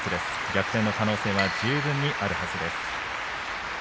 逆転の可能性は十分にあるはずです。